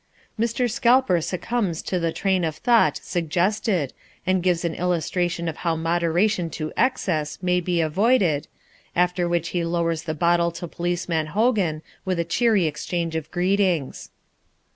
Mr. Scalper succumbs to the train of thought suggested and gives an illustration of how moderation to excess may be avoided, after which he lowers the bottle to Policeman Hogan with a cheery exchange of greetings.